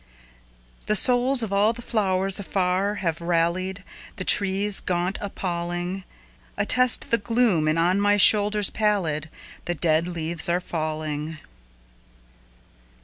The souls of all the flowers afar have rallied. The trees, gaunt, appalling, Attest the gloom, and on my shoulders pallidThe dead leaves are falling.